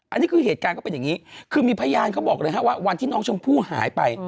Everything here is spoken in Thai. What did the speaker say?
อันนี้คือเหตุการณ์ก็เป็นอย่างนี้คือมีพยานเขาบอกเลยว่าวันที่น้องชมพู่หายไป